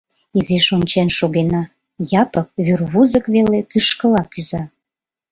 Изиш ончен шогена — Япык вӱрвузык веле кӱшкыла кӱза.